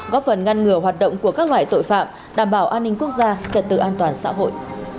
góp phần ngăn ngừa hoạt động của các loại tội phạm đảm bảo an ninh quốc gia trật tự an toàn xã hội